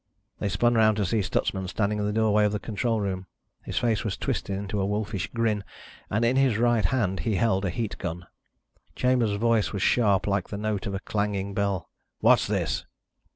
They spun around to see Stutsman standing in the doorway of the control room. His face was twisted into a wolfish grin and in his right hand he held a heat gun. Chambers' voice was sharp, like the note of a clanging bell. "What's this?"